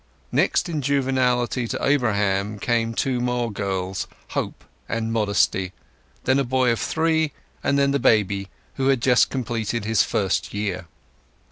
Next in juvenility to Abraham came two more girls, Hope and Modesty; then a boy of three, and then the baby, who had just completed his first year.